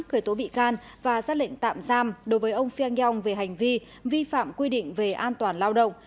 khởi tố bị can và xác lệnh tạm giam đối với ông phiang yong về hành vi vi phạm quy định về an toàn lao động